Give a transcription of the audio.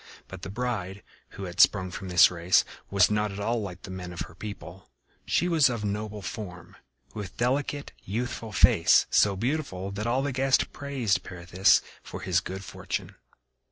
But the bride, who had sprung from this race, was not at all like the men of her people. She was of noble form, with delicate youthful face, so beautiful that all the guests praised Pirithous for his good fortune.